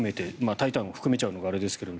「タイタン」を含めちゃうのがあれですが。